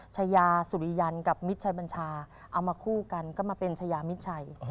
ชายาสุริยันกับมิตรชัยบัญชาเอามาคู่กันก็มาเป็นชายามิดชัย